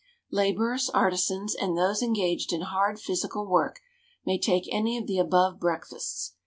Labourers, artisans, and those engaged in hard physical work may take any of the above breakfasts.